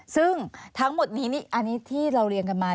ซึ่งทั้งหมดนี้อันนี้ที่เราเรียงกันมา